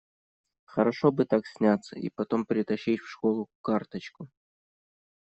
Хорошо бы так сняться и потом притащить в школу карточку!